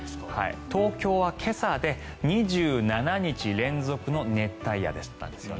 東京は今朝で２７日連続の熱帯夜だったんです。